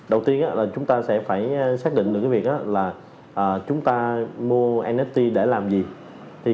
đầu tiên chúng ta phải xác định được việc chúng ta sẽ mua nft để làm gì